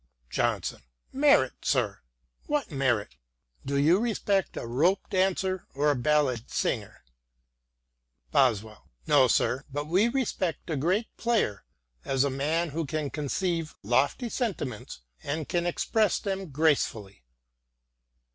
Johnson ;" Merit, sir — what merit f Do you respect a rope dancer or a ballad singer ?" Boswell :" No, sir, but we respect a great player, as a man who can conceive lofty sentiments and can express them gracefully."